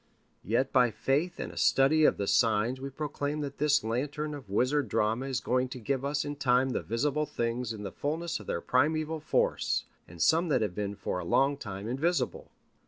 Yet by faith and a study of the signs we proclaim that this lantern of wizard drama is going to give us in time the visible things in the fulness of their primeval force, and some that have been for a long time invisible.